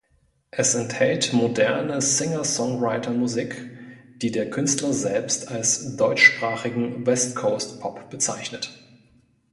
Es enthält moderne Singer-Songwriter-Musik, die der Künstler selbst als deutschsprachigen Westcoast-Pop bezeichnet.